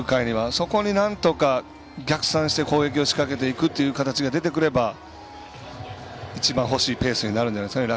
そこになんとか逆算して攻撃を仕掛けていく形が出てくれば、一番ほしいペースになるんじゃないですかね